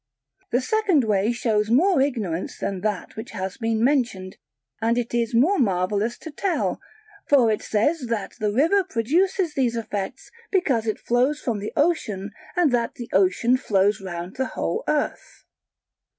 The second way shows more ignorance than that which has been mentioned, and it is more marvellous to tell; for it says that the river produces these effects because it flows from the Ocean, and that the Ocean flows round the whole earth.